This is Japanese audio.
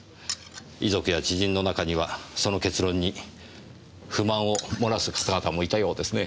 遺族や知人の中にはその結論に不満を漏らす方々もいたようですね。